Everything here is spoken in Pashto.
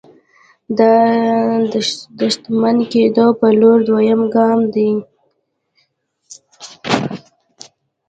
دا د شتمن کېدو پر لور دویم ګام دی